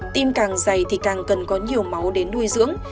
tim càng dày thì càng cần có nhiều máu đến nuôi dưỡng